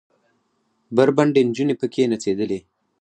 بربنډې نجونې پکښې نڅېدلې.